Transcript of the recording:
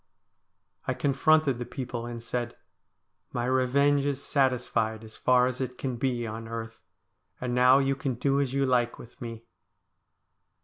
I confronted the people and said :' My revenge is satisfied, as far as it can be on earth. And now you can do as you like with me.'